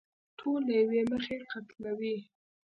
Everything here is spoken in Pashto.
ټول له يوې مخې قتلوي.